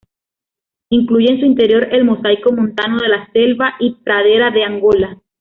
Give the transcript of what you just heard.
Incluye en su interior el mosaico montano de selva y pradera de Angola.